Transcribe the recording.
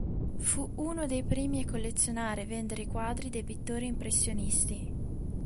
Fu uno dei primi a collezionare e vendere i quadri dei pittori impressionisti.